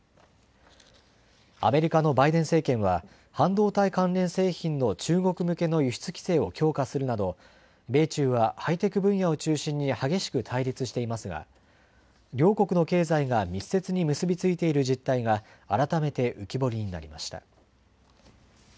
アメリカのバイデン政権は半導体関連製品の中国向けの輸出規制を強化するなど米中はハイテク分野を中心に激しく対立していますが両国の経済が密接に結び付いている実態が改めて浮き彫りになりました。